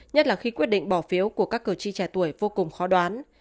nhất là khi quyết định bỏ phiếu của các cử tri trẻ tuổi vô cùng khó đoán